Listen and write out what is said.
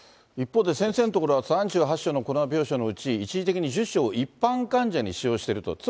一方で、先生の所は３８床のコロナ病床のうち、一時的に１０床を一般患者に使用していると。